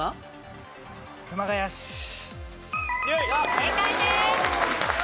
正解です。